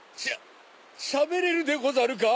・しゃべれるでござるか？